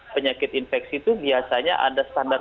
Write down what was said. penyakit infeksi itu biasanya ada standar